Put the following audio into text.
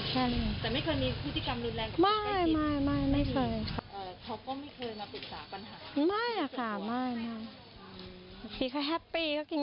แต่ไม่เคยมีพฤติกรรมรุนแรงกับพี่แก่จิต